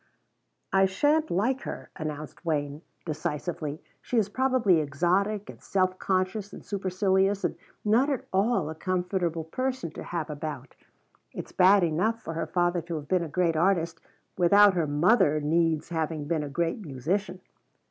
"I shan't like her," announced Wayne decisively; "she is probably exotic and self conscious and supercilious, and not at all a comfortable person to have about. It's bad enough for her father to have been a great artist without her mother needs having been a great musician."